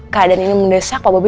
keadaan ini mendesak pak bobi